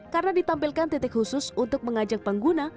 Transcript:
karena ditampilkan titik khusus untuk mengajak pengguna